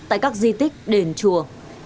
tại các di tích đền chùa